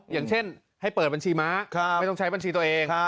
อย่างเช่นให้เปิดบัญชีม้าไม่ต้องใช้บัญชีตัวเอง